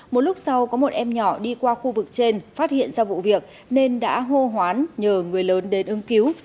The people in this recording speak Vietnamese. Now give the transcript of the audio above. một lúc sau có một em nhỏ đi qua khu vực trên phát hiện ra vụ việc nên đã hô hoán nhờ người lớn đến ứng cứu